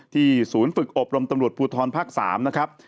ศูนย์ฝึกอบรมตำรวจภูทรภาค๓นะครับ